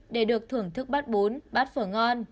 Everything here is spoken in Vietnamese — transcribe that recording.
để được thưởng thức bát bún bát phở ngon